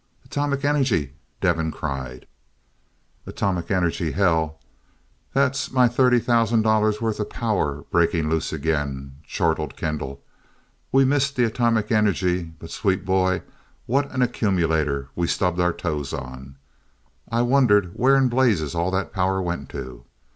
"Atomic Energy!" Devin cried. "Atomic energy, hell. That's my thirty thousand dollars' worth of power breaking loose again," chortled Kendall. "We missed the atomic energy, but, sweet boy, what an accumulator we stubbed our toes on! I wondered where in blazes all that power went to.